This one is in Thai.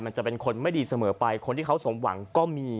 จะเป็นคนไม่ดีเสมอไปคนที่เขาสมหวังก็มี